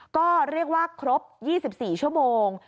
ก็เรียกว่าครบ๒๔ชั่วโมง